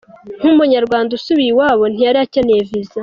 Nk’umunyarwanda usubiye iwabo ntiyari akeneye visa.